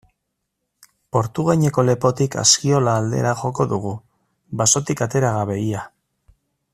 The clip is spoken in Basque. Portugaineko lepotik Askiola aldera joko dugu, basotik atera gabe ia.